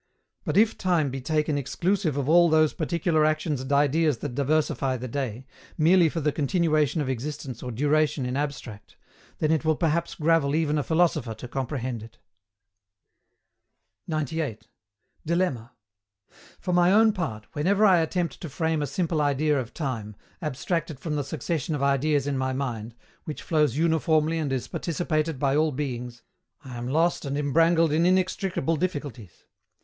But if time be taken exclusive of all those particular actions and ideas that diversify the day, merely for the continuation of existence or duration in abstract, then it will perhaps gravel even a philosopher to comprehend it. 98. DILEMMA. For my own part, whenever I attempt to frame a simple idea of time, abstracted from the succession of ideas in my mind, which flows uniformly and is participated by all beings, I am lost and embrangled in inextricable difficulties.